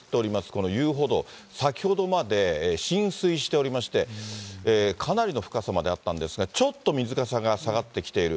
この遊歩道、先ほどまで浸水しておりまして、かなりの深さまであったんですが、ちょっと水かさが下がってきている。